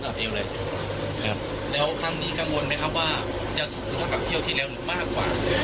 เอวเลยครับแล้วครั้งนี้กังวลไหมครับว่าจะสูงเท่ากับเที่ยวที่แล้วหรือมากกว่า